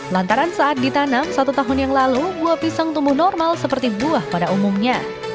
lantaran saat ditanam satu tahun yang lalu buah pisang tumbuh normal seperti buah pada umumnya